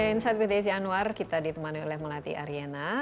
insight with desi anwar kita ditemani oleh melati ariena